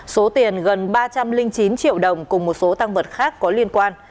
số tiền gần ba trăm linh chín triệu đồng cùng một số tăng vật khác có liên quan